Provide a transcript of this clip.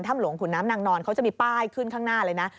หลวงขุนน้ำนางนอนเขาจะมีป้ายขึ้นข้างหน้าเลยนะ